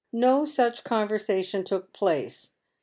No such con versation took place.